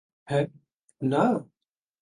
হ্যা, না?